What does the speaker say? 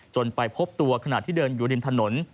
ไปพบตัวขณะที่เดินอยู่ริมถนน